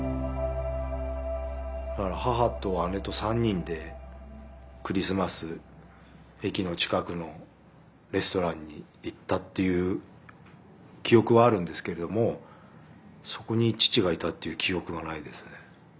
母と姉と３人でクリスマス駅の近くのレストランに行ったっていう記憶はあるんですけどもそこに父がいたっていう記憶はないですね。